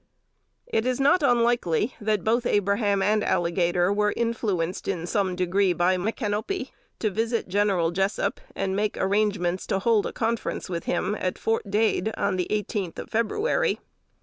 It is not unlikely that both Abraham and Alligator were influenced in some degree by Micanopy to visit General Jessup, and make arrangements to hold a conference with him, at Fort Dade, on the eighteenth of February.